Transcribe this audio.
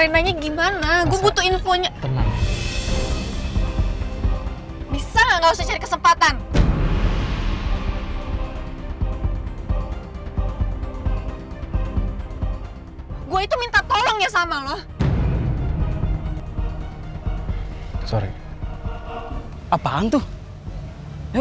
jangan bikin dia kepikiran ya